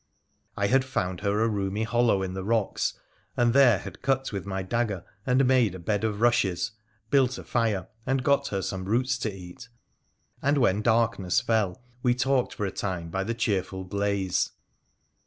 I had found her a roomy hollow in the rocks, and there had cut with my dagger and made a bed of rushes, built a fire, and got her some roots to eat, and when darkness fell we talked for a time by the cheerful blaze.